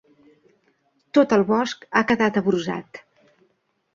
Tot el bosc ha quedat abrusat.